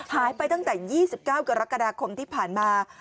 หายไปตั้งแต่๒๙กรกฎาคมที่ผ่านมา